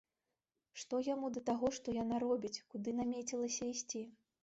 Што яму да таго, што яна робіць, куды намецілася ісці?